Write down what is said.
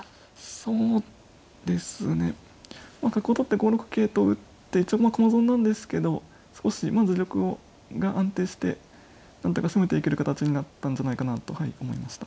そうですね角を取って５六桂と打ってまあ駒損なんですけど少し自玉が安定してなんとか攻めていける形になったんじゃないかなと思いました。